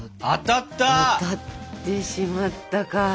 当たってしまったか。